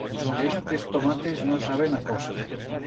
Estes tomates no saben a cosa.